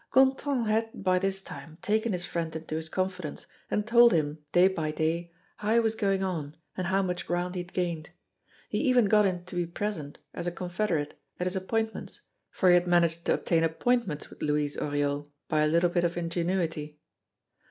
Gontran had, by this time, taken his friend into his confidence, and told him, day by day, how he was going on and how much ground he had gained. He even got him to be present, as a confederate, at his appointments, for he had managed to obtain appointments with Louise Oriol by a little bit of ingenuity.